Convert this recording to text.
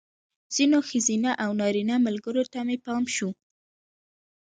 ځینو ښځینه او نارینه ملګرو ته مې پام شو.